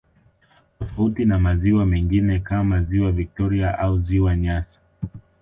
Tofauti na maziwa mengine kama ziwa victoria au ziwa nyasa